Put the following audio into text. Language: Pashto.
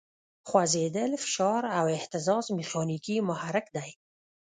خوځېدل، فشار او اهتزاز میخانیکي محرک دی.